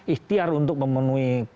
ihtiar untuk memenuhi